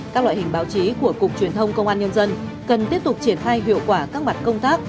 các loại hình báo chí của cục truyền thông công an nhân dân cần tiếp tục triển khai hiệu quả các mặt công tác